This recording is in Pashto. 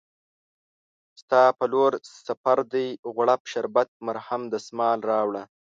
ستا په لورسفردي، غوړپ شربت، مرهم، دسمال راوړه